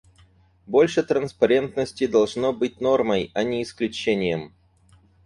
Больше транспарентности должно быть нормой, а не исключением.